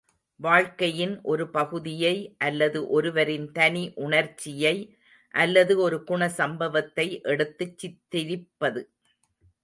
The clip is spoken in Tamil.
வாழ்க்கையின் ஒரு பகுதியை அல்லது ஒருவரின் தனி உணர்ச்சியை அல்லது ஒரு குண சம்பவத்தை எடுத்துச் சித்திரிப்பது.